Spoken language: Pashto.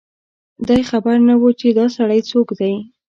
دی خبر نه و چي دا سړی څوک دی